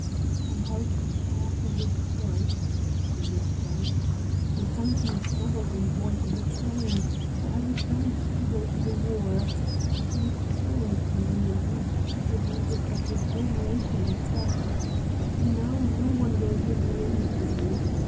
"I helped care for his horse," he whispered. "He found me smuggled on board the train—for I was bound to go to the war—and he was sorry for me and used to give me bits of his own rations, but—but now no one will give me anything.